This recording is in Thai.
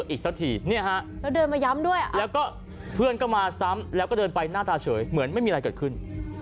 อีกซักทีแล้วก็เพื่อนก็มาซ้ำแล้วก็เดินไปหน้าตาเฉยเหมือนไม่มีอะไรเกิดขึ้น